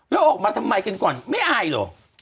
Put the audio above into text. แล้วออกมาทำไมกันก่อนไม่อายเหรอ